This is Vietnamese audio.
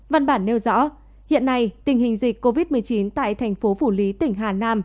văn bản nêu rõ hiện nay tình hình dịch covid một mươi chín tại thành phố phủ lý tỉnh hà nam